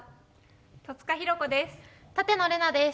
戸塚寛子です。